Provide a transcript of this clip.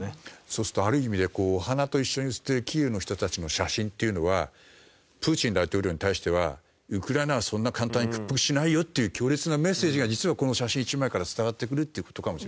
そうするとある意味でお花と一緒に写ってるキーウの人たちの写真っていうのはプーチン大統領に対してはウクライナはそんな簡単に屈服しないよっていう強烈なメッセージが実はこの写真１枚から伝わってくるって事かも。